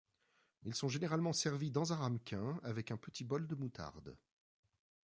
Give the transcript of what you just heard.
Ils sont généralement servis dans un ramequin avec un petit bol de moutarde.